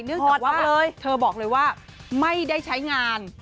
นึกจากว่าเธอบอกเลยว่าไม่ได้ใช้งาน